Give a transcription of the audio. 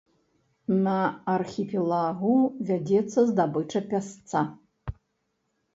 На архіпелагу вядзецца здабыча пясца.